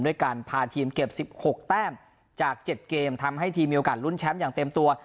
ด้วยการพาทีมเก็บ๑๖แต้มจาก๗เกมทำให้ทีมมีโอกาสลุ้นแชมป์อย่างเต็มตัว